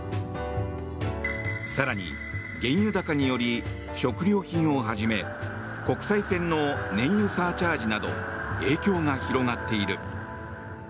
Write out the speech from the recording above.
更に原油高により食料品をはじめ国際線の燃油サーチャージなど影響が広がっている。